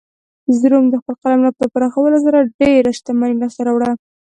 روم د خپل قلمرو په پراخولو سره ډېره شتمني لاسته راوړه